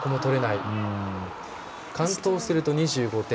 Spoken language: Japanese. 完登すると２５点。